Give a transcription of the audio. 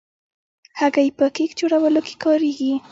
هګۍ په کیک جوړولو کې کارېږي.